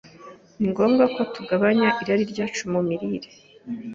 ni ngombwa ko tugabanya irari ryacu mu mirire,